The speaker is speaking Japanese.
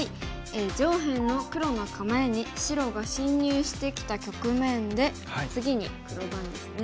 上辺の黒の構えに白が侵入してきた局面で次に黒番ですね。